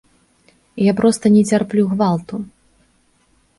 Я проста не цярплю гвалту.